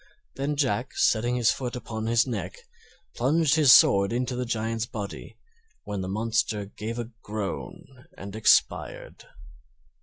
Then Jack, setting his foot upon his neck, plunged his sword into the Giant's body, when the monster gave a groan and expired.